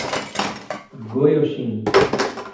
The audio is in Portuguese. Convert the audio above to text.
Goioxim